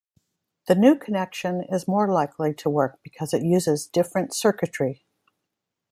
The new connection is more likely to work because it uses different circuitry.